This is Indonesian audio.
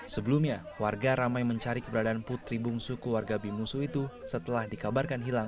sebelumnya warga ramai mencari keberadaan putri bungsu keluarga bimusu itu setelah dikabarkan hilang